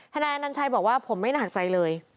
นายอนัญชัยบอกว่าผมไม่หนักใจเลย